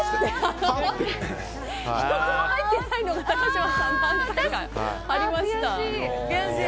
１つも入ってないのが何回かありました。